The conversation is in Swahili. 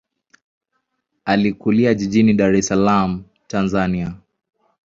Alikulia jijini Dar es Salaam, Tanzania.